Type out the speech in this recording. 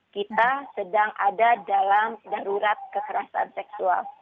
kita sedang ada dalam darurat kekerasan seksual